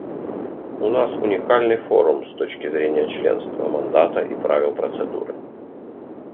У нас уникальный форум с точки зрения членства, мандата и правил процедуры.